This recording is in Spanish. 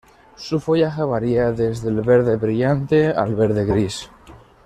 Su follaje varia desde el verde brillante al verde-gris.